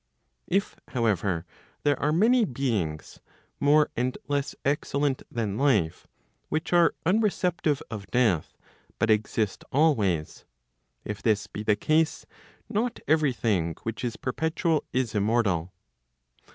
If however, there are many beings more and less excellent than life, which are unreceptive of death, but exist always;—if this be the case, not every thing which is perpetual is immortal.